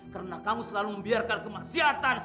karena kamu selalu membiarkan kemahsyatan